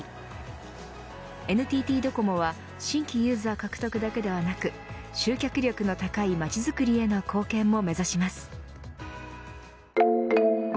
ＮＴＴドコモは新規ユーザー獲得だけではなく集客力の高い街づくりへの貢献も目指します。